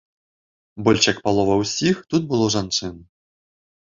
Больш як палова ўсіх тут было жанчын.